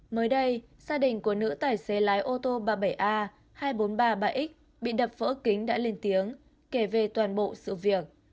mới đây gia đình của nữ tài xế lái ô tô ba mươi bảy a hai nghìn bốn trăm ba mươi ba x bị đập vỡ kính đã lên tiếng kể về toàn bộ sự việc